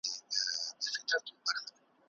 سردارمحمد شکيب سعدالله سعيد